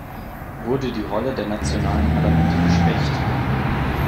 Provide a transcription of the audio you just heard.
Wurde die Rolle der nationalen Parlamente geschwächt?